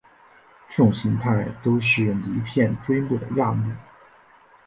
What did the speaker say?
这种形态都是离片锥目的亚目。